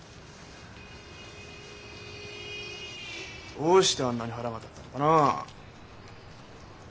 どうしてあんなに腹が立ったのかな。